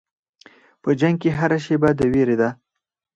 په جنګ کې هره شېبه د وېرې ده.